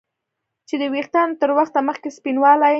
چې د ویښتانو تر وخته مخکې سپینوالی